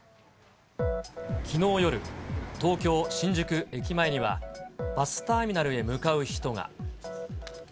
きのう夜、東京・新宿駅前には、バスターミナルへ向かう人が。